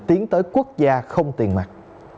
tiến tới quốc gia không tiền mặt